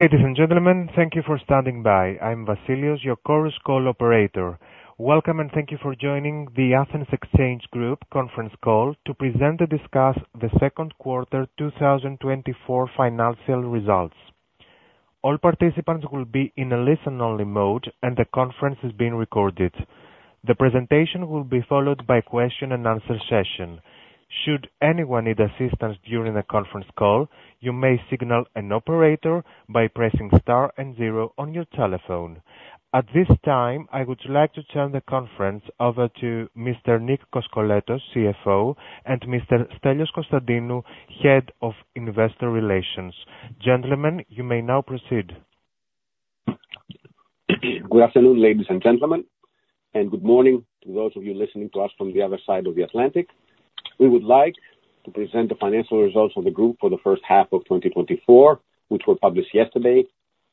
Ladies and gentlemen, thank you for standing by. I'm Vasilios, your core call operator. Welcome and thank you for joining the Athens Exchange Group conference call to present and discuss the second quarter 2024 financial results. All participants will be in a listen-only mode, and the conference is being recorded. The presentation will be followed by a question-and-answer session. Should anyone need assistance during the conference call, you may signal an operator by pressing star and zero on your telephone. At this time, I would like to turn the conference over to Mr. Nik Koskoletos, CFO, and Mr. Stelios Constantinou, Head of Investor Relations. Gentlemen, you may now proceed. Good afternoon, ladies and gentlemen, and good morning to those of you listening to us from the other side of the Atlantic. We would like to present the financial results of the group for the first half of 2024, which were published yesterday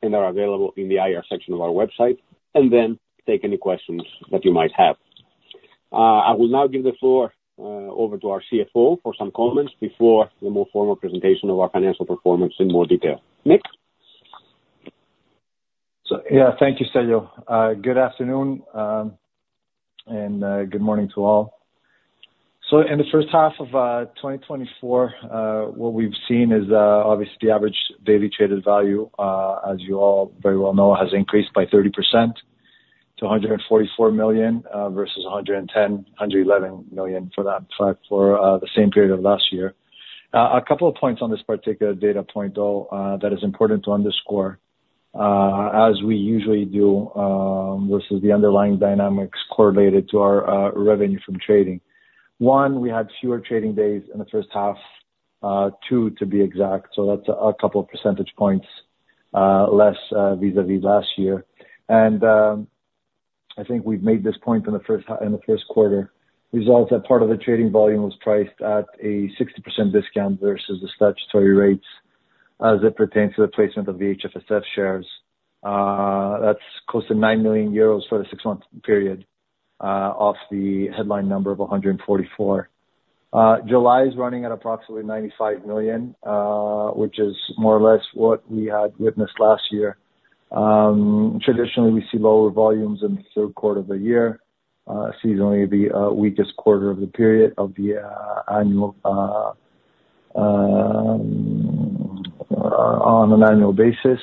and are available in the IR section of our website, and then take any questions that you might have. I will now give the floor over to our CFO for some comments before the more formal presentation of our financial performance in more detail. Nik? So, yeah, thank you, Stelios. Good afternoon and good morning to all. So, in the first half of 2024, what we've seen is obviously the average daily traded value, as you all very well know, has increased by 30% to 144 million versus 110-111 million for the same period of last year. A couple of points on this particular data point, though, that is important to underscore, as we usually do, versus the underlying dynamics correlated to our revenue from trading. One, we had fewer trading days in the first half, two, to be exact, so that's a couple of percentage points less vis-à-vis last year. I think we've made this point in the first quarter: results that part of the trading volume was priced at a 60% discount versus the statutory rates as it pertains to the placement of the HFSF shares. That's close to 9 million euros for the six-month period off the headline number of 144. July is running at approximately 95 million, which is more or less what we had witnessed last year. Traditionally, we see lower volumes in the third quarter of the year, seasonally the weakest quarter of the period, on an annual basis.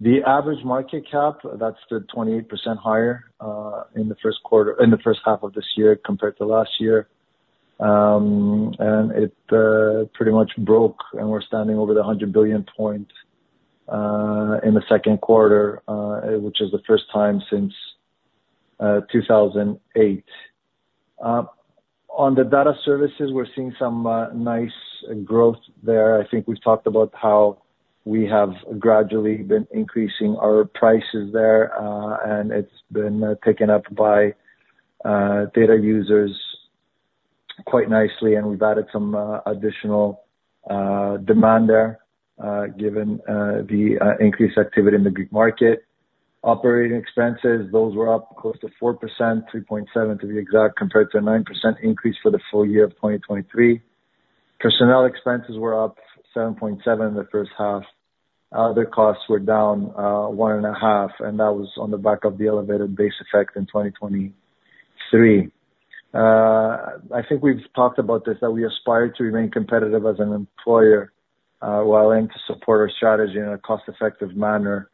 The average market cap that stood 28% higher in the first quarter, in the first half of this year compared to last year, and it pretty much broke, and we're standing over the 100 billion point in the second quarter, which is the first time since 2008. On the data services, we're seeing some nice growth there. I think we've talked about how we have gradually been increasing our prices there, and it's been taken up by data users quite nicely, and we've added some additional demand there given the increased activity in the Greek market. Operating expenses, those were up close to 4%, 3.7% to be exact, compared to a 9% increase for the full year of 2023. Personnel expenses were up 7.7% in the first half. Other costs were down 1.5%, and that was on the back of the elevated base effect in 2023. I think we've talked about this, that we aspire to remain competitive as an employer while aiming to support our strategy in a cost-effective manner.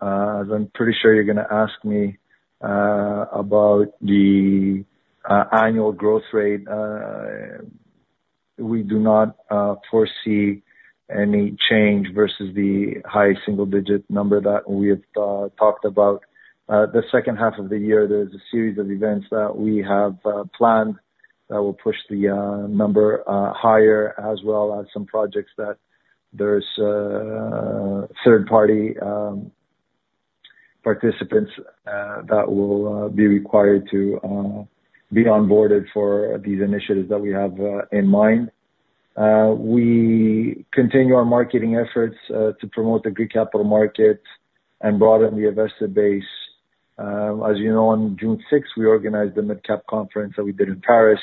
I'm pretty sure you're going to ask me about the annual growth rate. We do not foresee any change versus the high single-digit number that we have talked about. The second half of the year, there's a series of events that we have planned that will push the number higher, as well as some projects that there's third-party participants that will be required to be onboarded for these initiatives that we have in mind. We continue our marketing efforts to promote the Greek capital market and broaden the investor base. As you know, on June 6th, we organized the MidCap Conference that we did in Paris,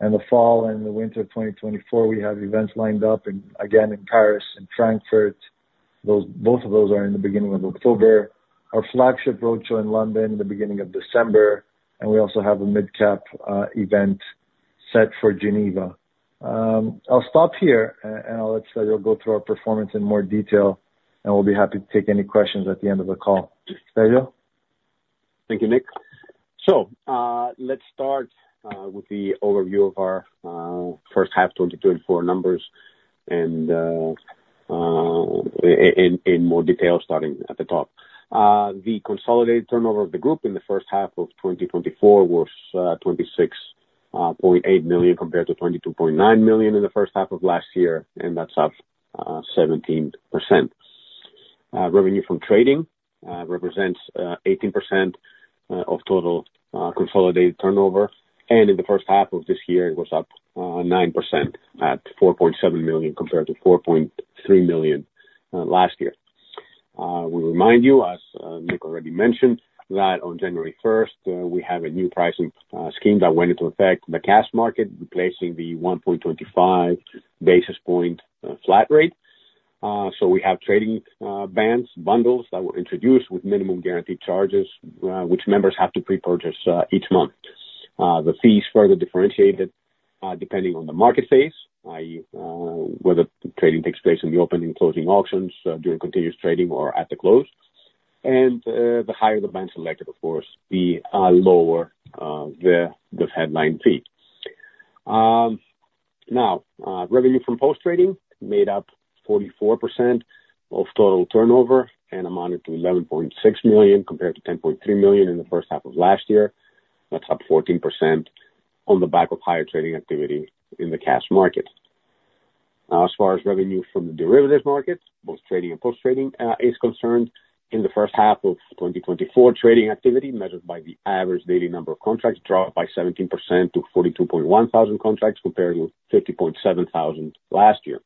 and the fall and the winter of 2024, we have events lined up again in Paris and Frankfurt. Both of those are in the beginning of October. Our flagship roadshow in London in the beginning of December, and we also have a MidCap event set for Geneva. I'll stop here, and I'll let Stelios go through our performance in more detail, and we'll be happy to take any questions at the end of the call. Stelios? Thank you, Nik. So, let's start with the overview of our first half 2024 numbers and in more detail starting at the top. The consolidated turnover of the group in the first half of 2024 was 26.8 million compared to 22.9 million in the first half of last year, and that's up 17%. Revenue from trading represents 18% of total consolidated turnover, and in the first half of this year, it was up 9% at 4.7 million compared to 4.3 million last year. We remind you, as Nik already mentioned, that on January 1st, we have a new pricing scheme that went into effect, the cash market, replacing the 1.25 basis point flat rate. So, we have trading bands, bundles that were introduced with minimum guaranteed charges, which members have to pre-purchase each month. The fees further differentiated depending on the market phase, i.e., whether trading takes place in the opening and closing auctions, during continuous trading, or at the close. The higher the band selected, of course, the lower the headline fee. Now, revenue from post-trading made up 44% of total turnover and amounted to 11.6 million compared to 10.3 million in the first half of last year. That's up 14% on the back of higher trading activity in the cash market. Now, as far as revenue from the derivatives market, both trading and post-trading is concerned, in the first half of 2024, trading activity measured by the average daily number of contracts dropped by 17% to 42,100 contracts compared with 50,700 last year.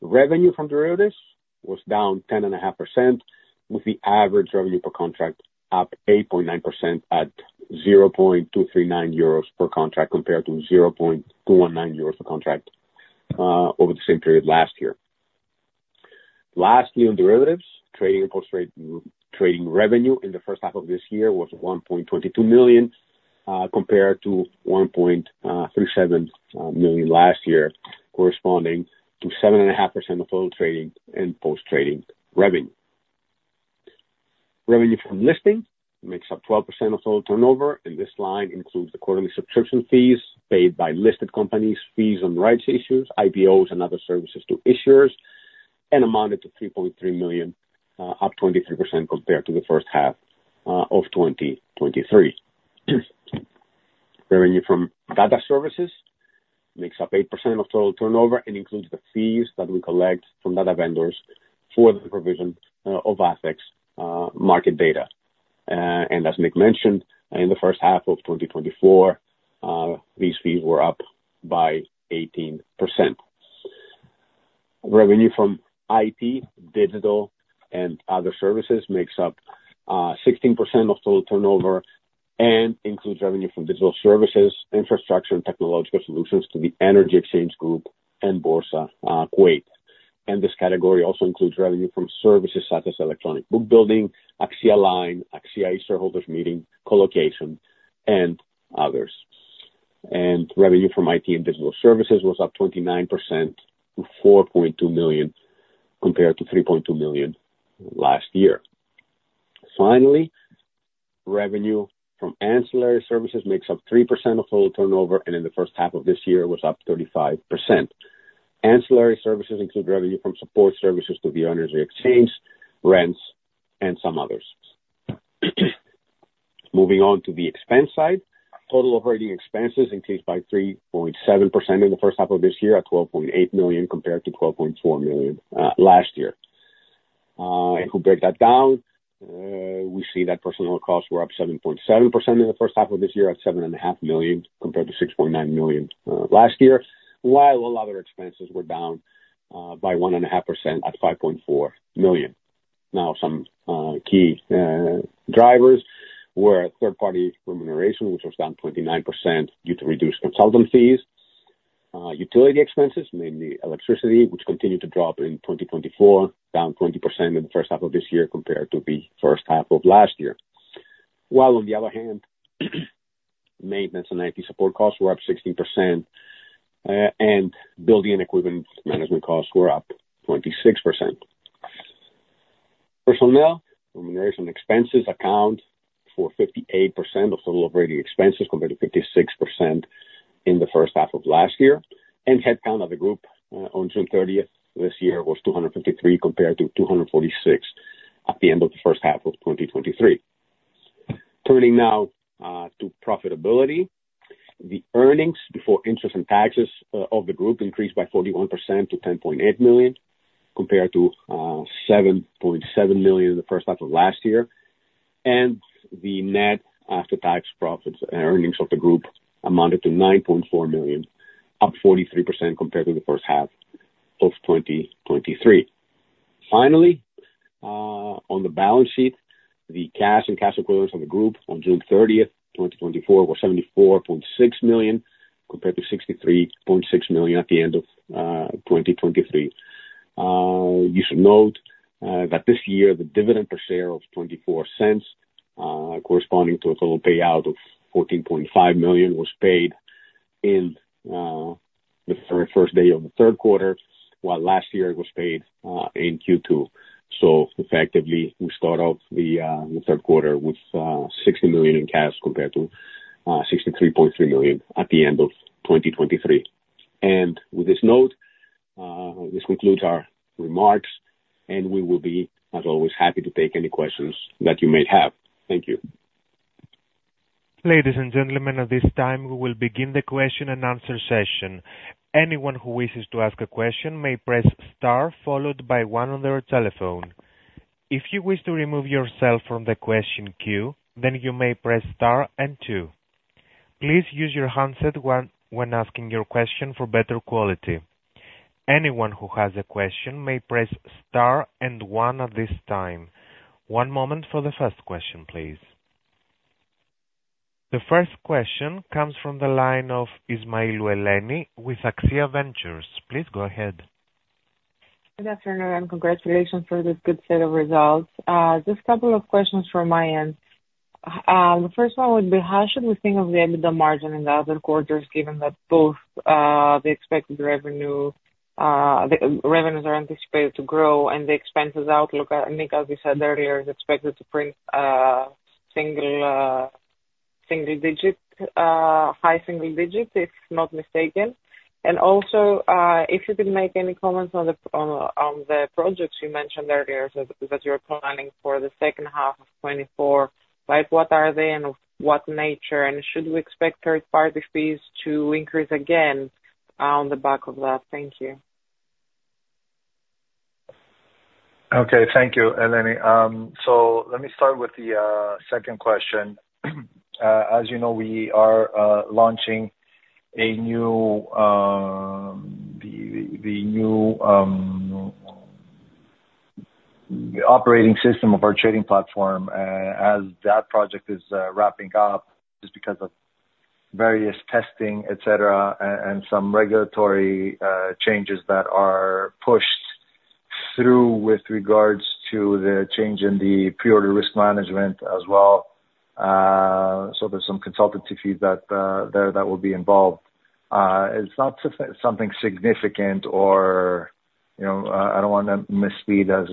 Revenue from derivatives was down 10.5%, with the average revenue per contract up 8.9% at €0.239 per contract compared to €0.219 per contract over the same period last year. Lastly, on derivatives, trading revenue in the first half of this year was 1.22 million compared to 1.37 million last year, corresponding to 7.5% of total trading and post-trading revenue. Revenue from listing makes up 12% of total turnover, and this line includes the quarterly subscription fees paid by listed companies, fees on rights issues, IPOs, and other services to issuers, and amounted to 3.3 million, up 23% compared to the first half of 2023. Revenue from data services makes up 8% of total turnover and includes the fees that we collect from data vendors for the provision of ATHEX market data. And as Nik mentioned, in the first half of 2024, these fees were up by 18%. Revenue from IT, digital, and other services makes up 16% of total turnover and includes revenue from digital services, infrastructure, and technological solutions to the Hellenic Energy Exchange and Boursa Kuwait. This category also includes revenue from services such as Electronic Book Building, XNET, AXIA e-Shareholders Meeting, Colocation, and others. Revenue from IT and digital services was up 29% to 4.2 million compared to 3.2 million last year. Finally, revenue from ancillary services makes up 3% of total turnover, and in the first half of this year, it was up 35%. Ancillary services include revenue from support services to the Hellenic Energy Exchange, rents, and some others. Moving on to the expense side, total operating expenses increased by 3.7% in the first half of this year at 12.8 million compared to 12.4 million last year. If we break that down, we see that personal costs were up 7.7% in the first half of this year at 7.5 million compared to 6.9 million last year, while all other expenses were down by 1.5% at 5.4 million. Now, some key drivers were third-party remuneration, which was down 29% due to reduced consultant fees. Utility expenses, mainly electricity, which continued to drop in 2024, down 20% in the first half of this year compared to the first half of last year. While, on the other hand, maintenance and IT support costs were up 16%, and building and equipment management costs were up 26%. Personnel remuneration expenses account for 58% of total operating expenses compared to 56% in the first half of last year. And headcount of the group on June 30th this year was 253 compared to 246 at the end of the first half of 2023. Turning now to profitability, the earnings before interest and taxes of the group increased by 41% to 10.8 million compared to 7.7 million in the first half of last year. The net after-tax profits and earnings of the group amounted to 9.4 million, up 43% compared to the first half of 2023. Finally, on the balance sheet, the cash and cash equivalents of the group on June 30th, 2024, were 74.6 million compared to 63.6 million at the end of 2023. You should note that this year, the dividend per share of 0.24, corresponding to a total payout of 14.5 million, was paid in the first day of the third quarter, while last year it was paid in Q2. Effectively, we start off the third quarter with 60 million in cash compared to 63.3 million at the end of 2023. With this note, this concludes our remarks, and we will be, as always, happy to take any questions that you may have. Thank you. Ladies and gentlemen, at this time, we will begin the question and answer session. Anyone who wishes to ask a question may press star followed by one on their telephone. If you wish to remove yourself from the question queue, then you may press star and two. Please use your handset when asking your question for better quality. Anyone who has a question may press star and one at this time. One moment for the first question, please. The first question comes from the line of Eleni Ismailou with Axia Ventures Group. Please go ahead. Good afternoon, and congratulations for this good set of results. Just a couple of questions from my end. The first one would be, how should we think of the EBITDA margin in the other quarters, given that both the expected revenues are anticipated to grow and the expenses outlook? And Nik, as we said earlier, is expected to print single-digit, high single digit, if not mistaken. And also, if you could make any comments on the projects you mentioned earlier that you're planning for the second half of 2024, like what are they and of what nature? And should we expect third-party fees to increase again on the back of that? Thank you. Okay, thank you, Eleni. So let me start with the second question. As you know, we are launching the new operating system of our trading platform. As that project is wrapping up, just because of various testing, etc., and some regulatory changes that are pushed through with regards to the change in the pre-trade risk management as well. So there's some consultancy fees there that will be involved. It's not something significant or I don't want to mislead as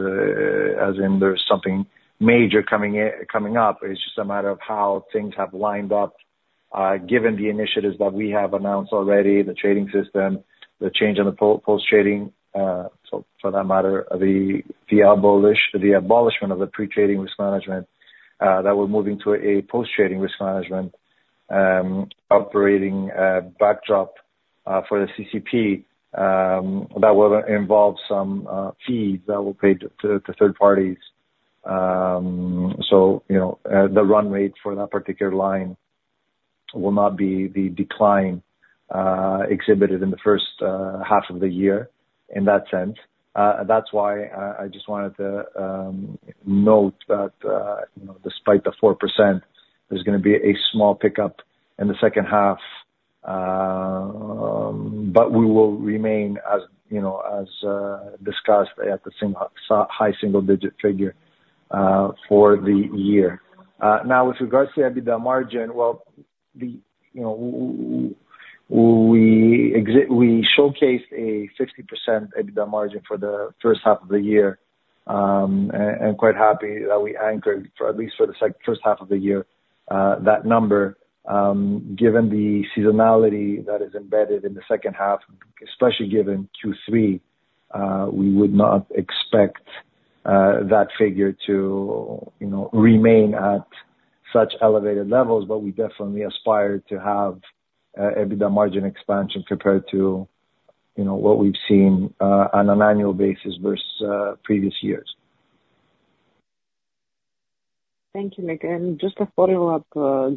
in there's something major coming up. It's just a matter of how things have lined up, given the initiatives that we have announced already, the trading system, the change in the post-trade. So for that matter, the abolishment of the pre-trade risk management, that we're moving to a post-trade risk management operating backdrop for the CCP that will involve some fees that we'll pay to third parties. So the run rate for that particular line will not be the decline exhibited in the first half of the year in that sense. That's why I just wanted to note that despite the 4%, there's going to be a small pickup in the second half, but we will remain, as discussed, at the high single-digit figure for the year. Now, with regards to EBITDA margin, well, we showcased a 50% EBITDA margin for the first half of the year, and quite happy that we anchored, at least for the first half of the year, that number. Given the seasonality that is embedded in the second half, especially given Q3, we would not expect that figure to remain at such elevated levels, but we definitely aspire to have EBITDA margin expansion compared to what we've seen on an annual basis versus previous years. Thank you, Nik. Just a follow-up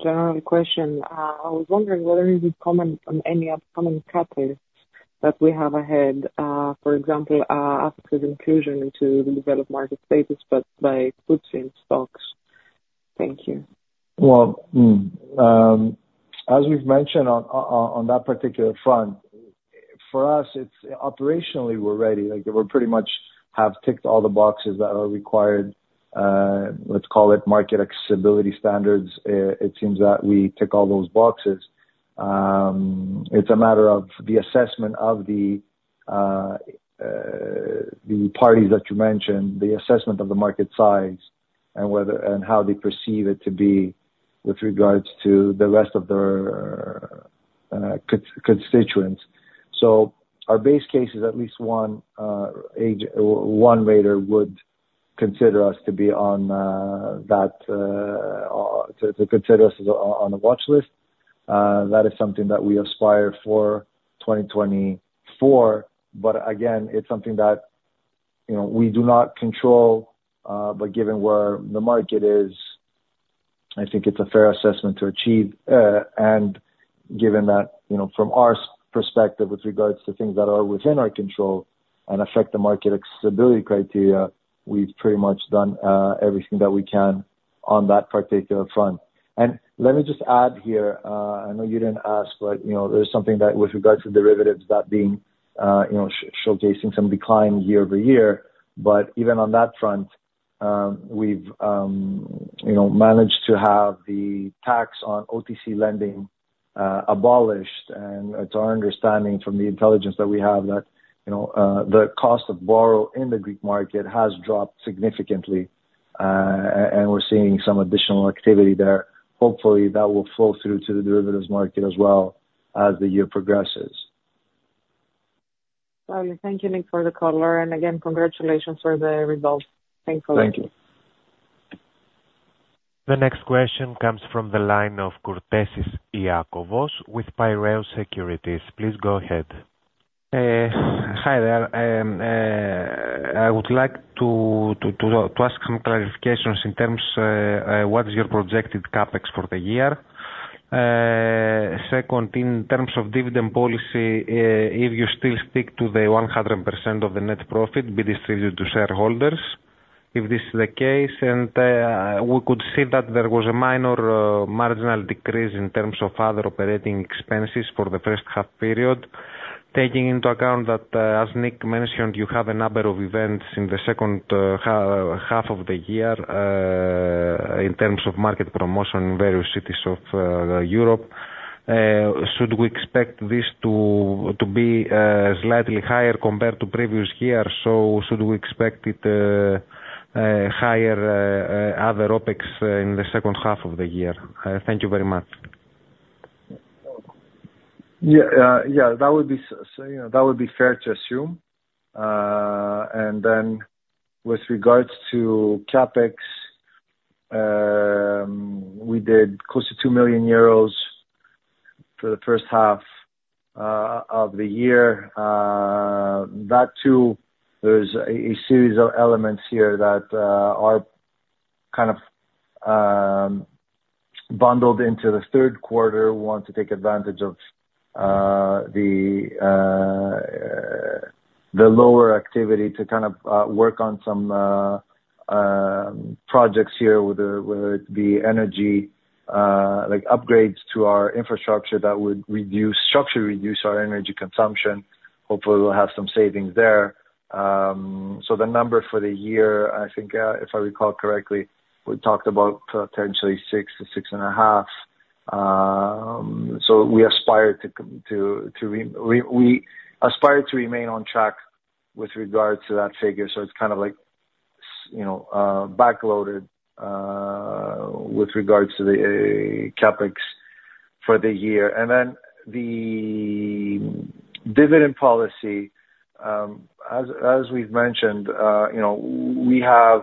general question. I was wondering whether you would comment on any upcoming catalysts that we have ahead, for example, ATHEX inclusion into the developed market status, but by FTSE and STOXX. Thank you. Well, as we've mentioned on that particular front, for us, operationally, we're ready. We pretty much have ticked all the boxes that are required. Let's call it market accessibility standards. It seems that we tick all those boxes. It's a matter of the assessment of the parties that you mentioned, the assessment of the market size and how they perceive it to be with regards to the rest of their constituents. So our base case is at least one rater would consider us to be on that, to consider us on the watch list. That is something that we aspire for 2024. But again, it's something that we do not control, but given where the market is, I think it's a fair assessment to achieve. Given that, from our perspective, with regards to things that are within our control and affect the market accessibility criteria, we've pretty much done everything that we can on that particular front. Let me just add here, I know you didn't ask, but there's something that with regards to derivatives, that being showcasing some decline year-over-year. But even on that front, we've managed to have the tax on OTC lending abolished. And it's our understanding from the intelligence that we have that the cost of borrow in the Greek market has dropped significantly, and we're seeing some additional activity there. Hopefully, that will flow through to the derivatives market as well as the year progresses. Thank you, Nik, for the call. And again, congratulations for the results. Thank you. Thank you. The next question comes from the line of Iakovos Kourtesis with Piraeus Securities. Please go ahead. Hi there. I would like to ask some clarifications in terms of what is your projected CapEx for the year. Second, in terms of dividend policy, if you still stick to the 100% of the net profit being distributed to shareholders, if this is the case, and we could see that there was a minor marginal decrease in terms of other operating expenses for the first half period, taking into account that, as Nik mentioned, you have a number of events in the second half of the year in terms of market promotion in various cities of Europe. Should we expect this to be slightly higher compared to previous years? So should we expect higher other OpEx in the second half of the year? Thank you very much. Yeah, that would be fair to assume. And then with regards to CapEx, we did close to 2 million euros for the first half of the year. That too, there's a series of elements here that are kind of bundled into the third quarter. We want to take advantage of the lower activity to kind of work on some projects here, whether it be energy upgrades to our infrastructure that would structurally reduce our energy consumption. Hopefully, we'll have some savings there. So the number for the year, I think, if I recall correctly, we talked about potentially 6 million-6.5 million. So we aspire to remain on track with regards to that figure. So it's kind of like backloaded with regards to the CapEx for the year. And then the dividend policy, as we've mentioned, we have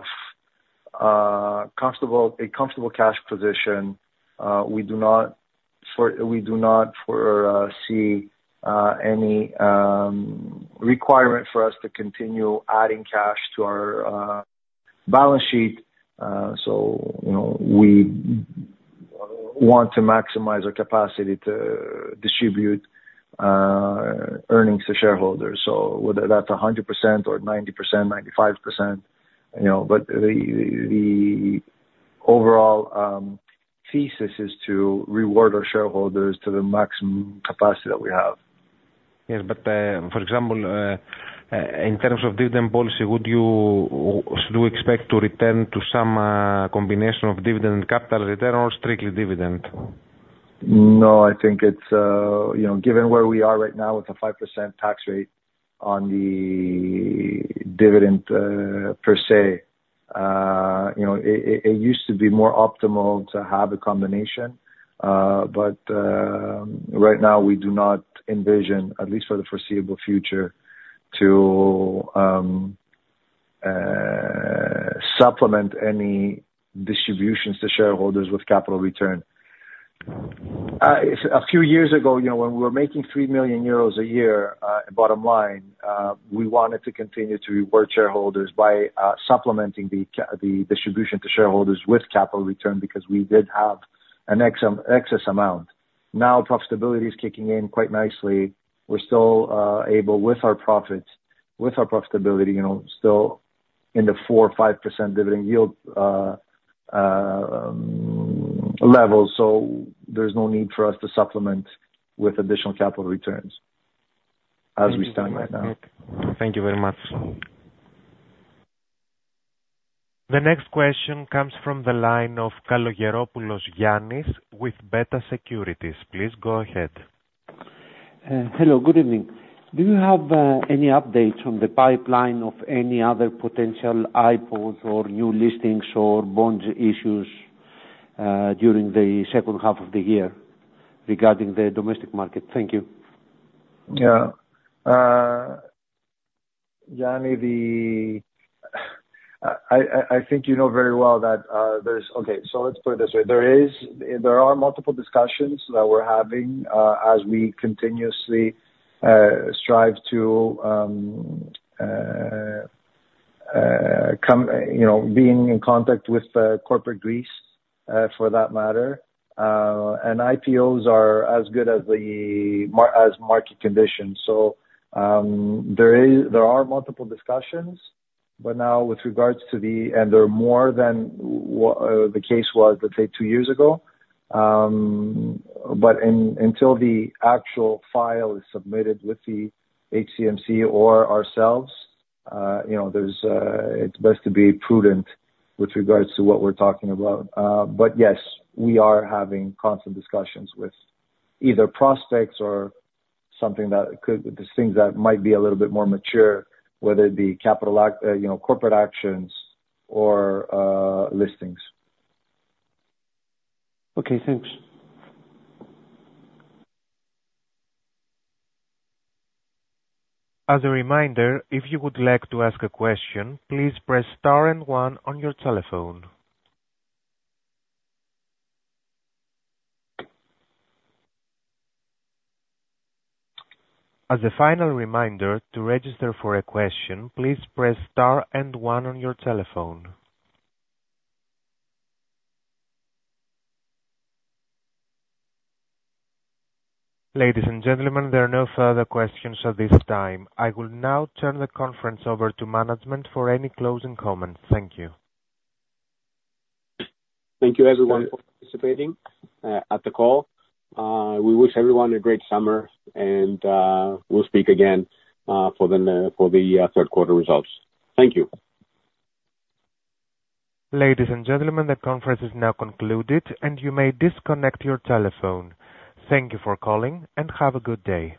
a comfortable cash position. We do not foresee any requirement for us to continue adding cash to our balance sheet. So we want to maximize our capacity to distribute earnings to shareholders. So whether that's 100% or 90%, 95%, but the overall thesis is to reward our shareholders to the maximum capacity that we have. Yes, but for example, in terms of dividend policy, would you expect to return to some combination of dividend and capital return or strictly dividend? No, I think it's given where we are right now with a 5% tax rate on the dividend per se. It used to be more optimal to have a combination. But right now, we do not envision, at least for the foreseeable future, to supplement any distributions to shareholders with capital return. A few years ago, when we were making 3 million euros a year, bottom line, we wanted to continue to reward shareholders by supplementing the distribution to shareholders with capital return because we did have an excess amount. Now, profitability is kicking in quite nicely. We're still able, with our profits, with our profitability, still in the 4%-5% dividend yield level. So there's no need for us to supplement with additional capital returns as we stand right now. Thank you very much. The next question comes from the line of Yannis Kalogeropoulos with Beta Securities. Please go ahead. Hello, good evening. Do you have any updates on the pipeline of any other potential IPOs or new listings or bond issues during the second half of the year regarding the domestic market? Thank you. Yeah. Yanni, I think you know very well that there's, okay, so let's put it this way. There are multiple discussions that we're having as we continuously strive to be in contact with corporate Greece, for that matter. And IPOs are as good as market conditions. So there are multiple discussions, but now with regards to them, and they're more than the case was, let's say, two years ago. But until the actual file is submitted with the HCMC or ourselves, it's best to be prudent with regards to what we're talking about. But yes, we are having constant discussions with either prospects or something that could be things that might be a little bit more mature, whether it be corporate actions or listings. Okay, thanks. As a reminder, if you would like to ask a question, please press star and one on your telephone. As a final reminder, to register for a question, please press star and one on your telephone. Ladies and gentlemen, there are no further questions at this time. I will now turn the conference over to management for any closing comments. Thank you. Thank you, everyone, for participating at the call. We wish everyone a great summer, and we'll speak again for the third quarter results. Thank you. Ladies and gentlemen, the conference is now concluded, and you may disconnect your telephone. Thank you for calling and have a good day.